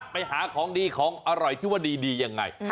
ไปหาของดีของอร่อยที่ว่าดียังไง